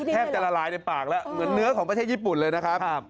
แทบจะละลายในปากแล้วเหมือนเนื้อของประเทศญี่ปุ่นเลยนะครับ